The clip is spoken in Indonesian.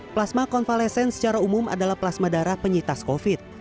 plasma konvalesen secara umum adalah plasma darah penyitas covid sembilan belas